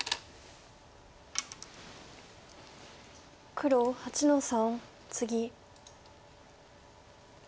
黒８の三ツギ。